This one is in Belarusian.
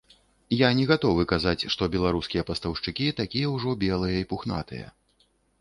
Я не гатовы казаць, што беларускія пастаўшчыкі такія ўжо белыя і пухнатыя.